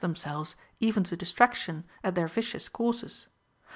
themselves, even to distraction, at their vicious courses.